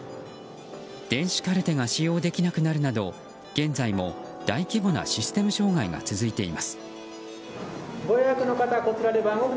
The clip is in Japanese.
電子カルテが使用できなくなるなど現在も大規模なシステム障害が続いています。